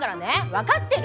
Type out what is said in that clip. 分かってる？